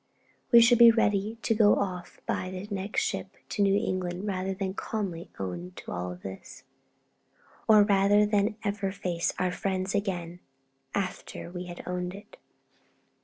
We should be ready to go off by next ship to New Zealand rather than calmly own to all this, or rather than ever face our friends again after we had owned it.